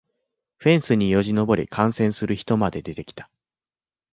フェンスによじ登り観戦する人まで出てきた